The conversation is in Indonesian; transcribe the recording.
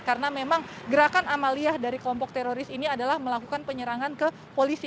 karena memang gerakan amalia dari kelompok teroris ini adalah melakukan penyerangan ke polisi